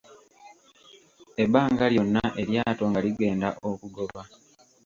Ebbanga lyonna eryato nga ligenda okugoba